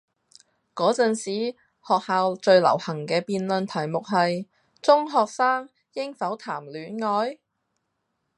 嗰陣時學校最流行嘅辯論題目係：中學生應否談戀愛?